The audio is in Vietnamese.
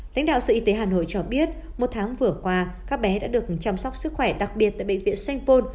lãnh đạo sự y tế hà nội cho biết một tháng vừa qua các bé đã được chăm sóc sức khỏe đặc biệt tại bệnh viện st paul